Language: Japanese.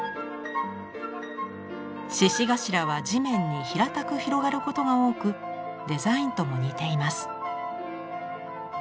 シシガシラは地面に平たく広がることが多くデザインとも似ています。